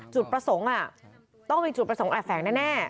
จุดประสงค์ต้องมีจุดประสงค์แอบแฝงแน่